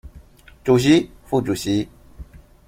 主席副主席